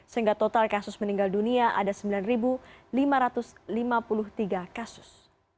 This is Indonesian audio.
sehingga total kasus meninggal dunia ada sembilan lima ratus lima puluh tiga kasus